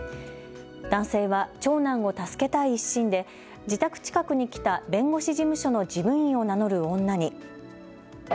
男性は、長男を助けたい一心で自宅近くに来た弁護士事務所の事務員を名乗る女に。